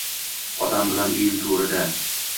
Otam bilan uyim turida